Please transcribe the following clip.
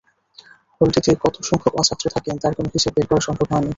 হলটিতে কতসংখ্যক অছাত্র থাকেন, তার কোনো হিসাব বের করা সম্ভব হয়নি।